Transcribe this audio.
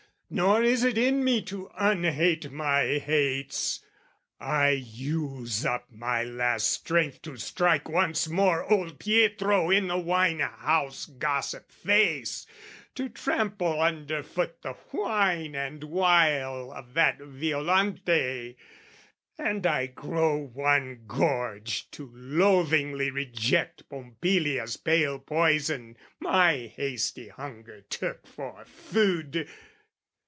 Nor is it in me to unhate my hates, I use up my last strength to strike once more Old Pietro in the wine house gossip face, To trample underfoot the whine and wile Of that Violante, and I grow one gorge To loathingly reject Pompilia's pale Poison my hasty hunger took for food.